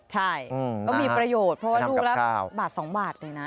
ใช่ก็มีประโยชน์เพราะว่าลูกละบาท๒บาทเลยนะ